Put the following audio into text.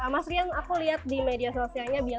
mas rian aku lihat di media sosialnya